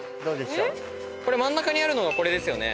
真ん中にあるのがこれですよね？